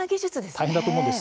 大変だと思うんです。